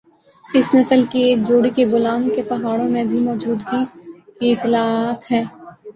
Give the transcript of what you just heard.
اس نسل کی ایک جوڑی کی بولان کے پہاڑیوں میں بھی موجودگی کی اطلاعات ہے